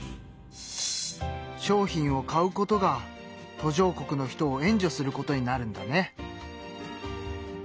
商品を買うことが途上国の人を援助することになるんだね。